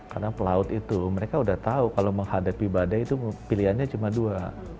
karena pelaut itu mereka sudah tahu kalau menghadapi badai itu pilihannya cuma dua